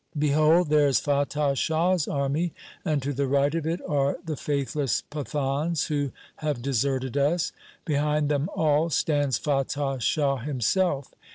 ' Behold ; there is Fatah Shah's army, and to the right of it are the faithless Pathans who have deserted us. Behind them all stands Fatah Shah himself.